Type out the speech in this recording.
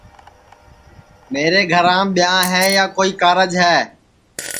میرے گھرام ٻیاں ہے یا کوئی کارج ہے